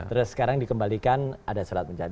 terus sekarang dikembalikan ada surat pencarian